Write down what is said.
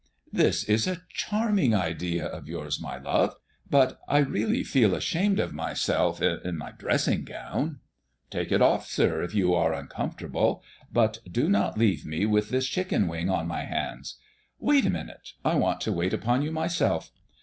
"This is a charming idea of yours, my love, but I really feel ashamed of myself, in my dressing gown." "Take it off, sir, if you are uncomfortable, but do not leave me with this chicken wing on my hands. Wait a minute; I want to wait upon you myself."